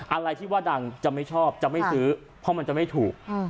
อะไรที่ว่าดังจะไม่ชอบจะไม่ซื้อเพราะมันจะไม่ถูก